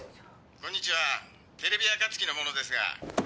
こんにちはテレビ暁の者ですが。